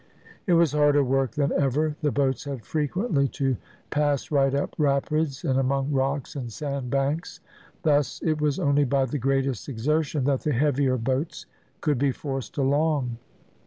It was harder work than ever. The boats had frequently to pass right up rapids and among rocks and sandbanks; thus it was only by the greatest exertion that the heavier boats could be forced along.